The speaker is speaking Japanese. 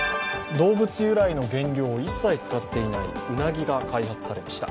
動物由来の原料を一切使っていないうなぎが開発されました。